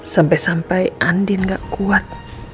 sampai sampai andin gak kuat